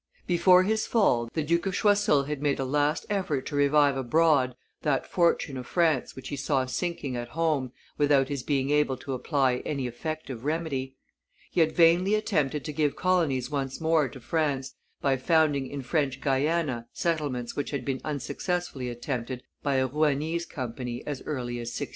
Before his fall the Duke of Choiseul had made a last effort to revive abroad that fortune of France which he saw sinking at home without his being able to apply any effective remedy. He had vainly attempted to give colonies once more to France by founding in French Guiana settlements which had been unsuccessfully attempted by a Rouennese Company as early as 1634.